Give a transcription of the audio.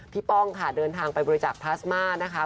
พี่ป้องเดินทางไปบริจักษ์พลาสมานะคะ